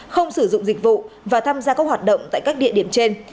không sử dụng dịch vụ và tham gia các hoạt động tại các địa điểm trên